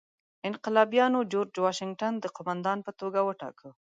انقلابیانو جورج واشنګټن د قوماندان په توګه وټاکه.